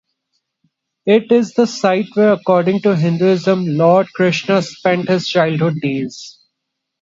It is the site where according to Hinduism, Lord Krishna spent his childhood days.